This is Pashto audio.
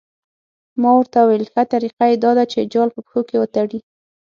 ما ورته وویل ښه طریقه یې دا ده چې جال په پښو کې وتړي.